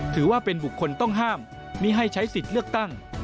ถือว่าเป็นบุคคลต้องห้ามไม่ให้ใช้สิทธิ์เลือกตั้ง